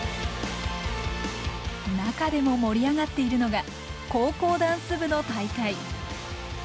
中でも盛り上がっているのが高校ダンス部の大会。